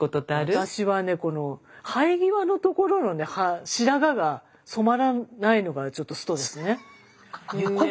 私はねこの生え際のところの白髪が染まらないのがちょっとストレスね。